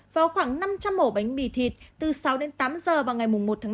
và khoảng năm trăm linh hồ bánh mì thịt từ sáu h tám h vào ngày một tháng năm